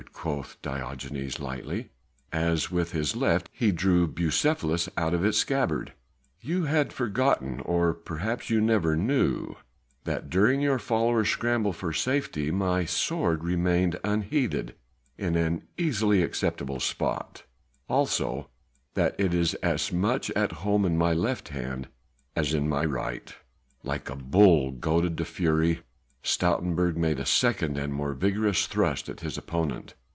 quoth Diogenes lightly, as with his left he drew Bucephalus out of its scabbard, "you had forgotten or perhaps you never knew that during your followers' scramble for safety my sword remained unheeded in an easily accessible spot, and also that it is as much at home in my left hand as in my right." Like a bull goaded to fury Stoutenburg made a second and more vigorous thrust at his opponent.